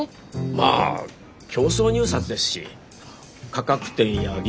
まあ競争入札ですし価格点や技術点